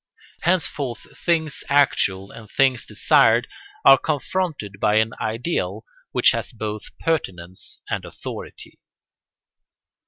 Henceforth things actual and things desired are confronted by an ideal which has both pertinence and authority.